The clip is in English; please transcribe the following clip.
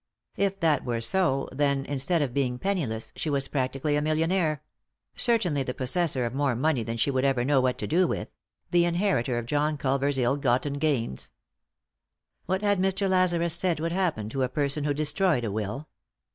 If that were so, then, instead of being penniless, she was practically a millionaire ; cer tainly the possessor of more money than she would ever know what to do with — the inheritor of John Culver's ill gotten gains. What had Mr. Lazarus said would happen to a person who destroyed a will